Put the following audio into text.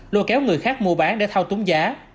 lôi kéo người khác mua bán để thao túng giá